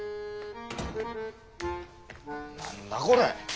何だこれ。